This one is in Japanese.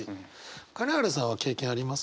金原さんは経験あります？